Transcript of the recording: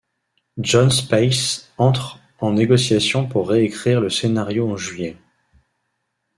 Jon Spaihts entre en négociation pour réécrire le scénario en juillet.